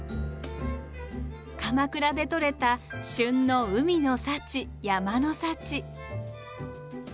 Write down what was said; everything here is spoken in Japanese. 鎌倉でとれた旬の海の幸山の幸。